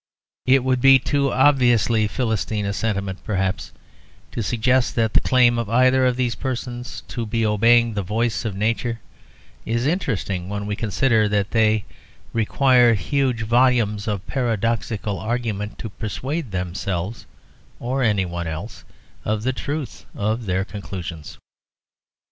It would be too obviously Philistine a sentiment, perhaps, to suggest that the claim of either of these persons to be obeying the voice of nature is interesting when we consider that they require huge volumes of paradoxical argument to persuade themselves or anyone else of the truth of their conclusions.